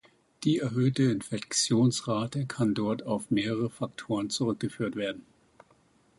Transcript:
Die erhöhte Infektionsrate kann dort auf mehrere Faktoren zurückgeführt werden.